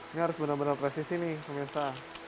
ini harus benar benar presisi nih pak mirsa